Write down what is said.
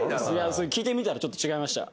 聴いてみたらちょっと違いました。